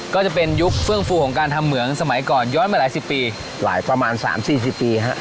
ก็จะเป็นยุคเฟื่องฟูของการทำเหมืองสมัยก่อนย้อนมาหลายสิบปีหลายประมาณ๓๔๐ปีฮะ